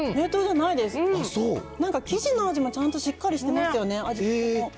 なんか生地の味がちゃんとしっかりしてますよね。